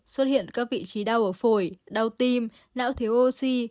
xuất hiện các vị trí đau ở phổi đau tim não thiếu oxy